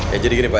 ya jadi gini pak